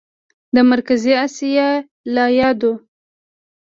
د مرکزي اسیا له یادو